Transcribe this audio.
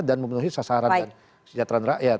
dan memenuhi sasaran dan sejahtera rakyat